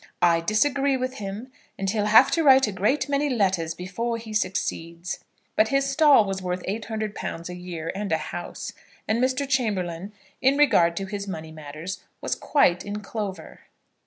I disagree with him, and he'll have to write a great many letters before he succeeds." But his stall was worth £800 a year and a house, and Mr. Chamberlaine, in regard to his money matters, was quite in clover.